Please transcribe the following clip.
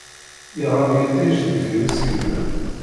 Iɣab yiṭij deffir usigna.